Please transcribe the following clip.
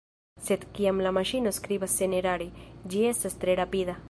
Sed, kiam la maŝino skribas senerare, ĝi estas tre rapida.